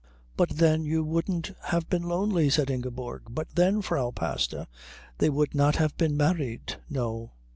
"But then you wouldn't have been lonely," said Ingeborg. "But then, Frau Pastor, they would not have been married." "No.